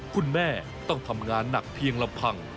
คุณแม่ต้องทำงานหนักเพียงลำพัง